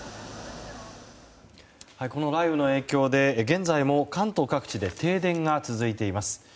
この雷雨の影響で現在も関東各地で停電が続いています。